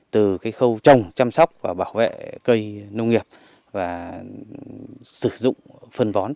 từ khâu trồng chăm sóc và bảo vệ cây nông nghiệp và sử dụng phân bón